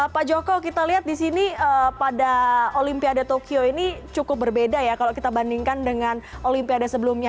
pak joko kita lihat di sini pada olimpiade tokyo ini cukup berbeda ya kalau kita bandingkan dengan olimpiade sebelumnya